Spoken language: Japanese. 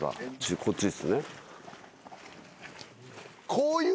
こっちっすね。